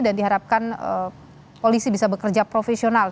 dan diharapkan polisi bisa bekerja profesional